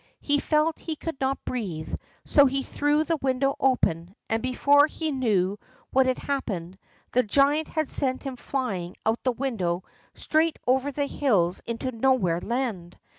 He felt he could not breathe, so he threw the window open, and before he knew what had happened the giant had sent him flying out of the window straight over the hills into Nowhere Land.